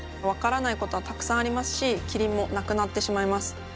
分からないことはたくさんありますしキリンも亡くなってしまいます。